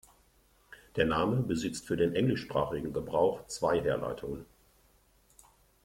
Der Name besitzt für den englischsprachigen Gebrauch zwei Herleitungen.